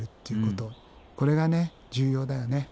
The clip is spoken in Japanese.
これが重要だよね。